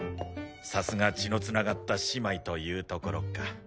さすが血の繋がった姉妹というところか。